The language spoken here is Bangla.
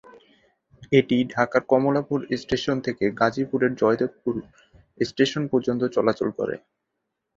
এটি ঢাকার কমলাপুর স্টেশন থেকে গাজীপুরের জয়দেবপুর স্টেশন পর্যন্ত চলাচল করে।